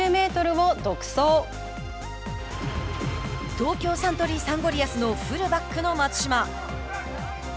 東京サントリーサンゴリアスのフルバックの松島。